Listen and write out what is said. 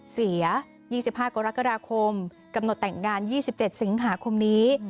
เสีย๒๕กรกฎาคมกำหนดแต่งงาน๒๗สิงหาคมนี้